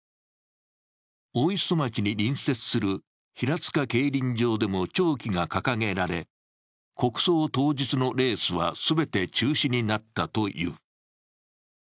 大磯町に隣接する平塚競輪場でも弔旗が掲げられ、国葬当日のレースは全て中止になったという。